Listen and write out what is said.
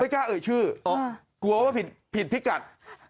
กล้าเอ่ยชื่อกลัวว่าผิดพิกัด